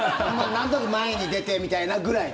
なんとなく前に出てみたいなぐらい。